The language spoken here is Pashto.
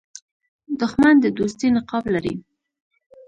دښمن د دوستۍ نقاب لري